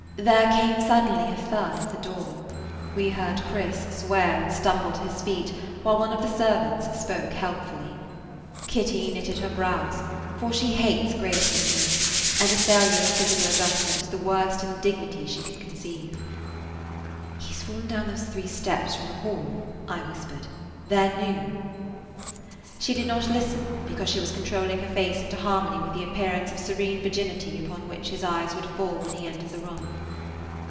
There came suddenly a thud at the door. We heard Chris swear and stumble to his feet, while one of the servants spoke helpfully. Kitty knitted her brows, for she hates gracelessness, and a failure of physical adjustment is the worst indignity she can conceive. "He 's fallen down those three steps from the hall," I whispered. "They 're new." She did not listen, because she was controlling her face into harmony with the appearance of serene virginity upon which his eyes would fall when he entered the room.